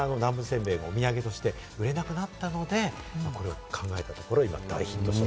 コロナで南部せんべいがお土産として売れなくなったので、考えたところ、今、大ヒットと。